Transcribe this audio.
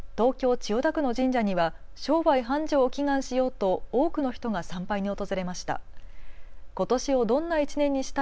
千代田区の神社には商売繁盛を祈願しようと多くの人が参拝に訪れました。